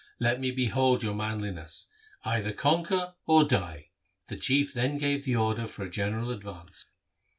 Let me behold your manliness. Either conquer or die.' The Chief then gave the order for a general advance.